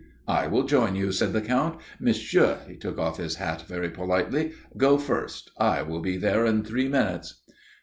"I will join you," said the Count. "Monsieur," he took off his hat very politely. "Go first. I will be there in three minutes."